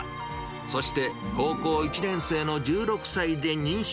そして高校１年生の１６歳で妊娠。